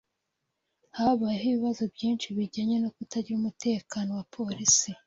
Habayeho ibibazo byinshi bijyanye no kutagira umutekano wa polisi.